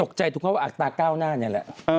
ตกใจถูกว่าอัตราก้าวหน้านี่แหละ